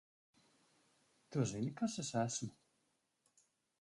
Tu zini, kas es esmu?